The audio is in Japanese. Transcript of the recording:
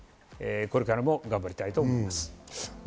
これからも頑張りたいと思います。